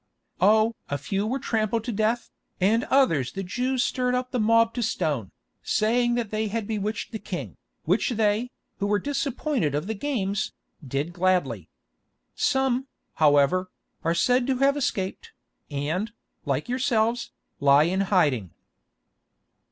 "Oh! a few were trampled to death, and others the Jews stirred up the mob to stone, saying that they had bewitched the king, which they, who were disappointed of the games, did gladly. Some, however, are said to have escaped, and, like yourselves, lie in hiding."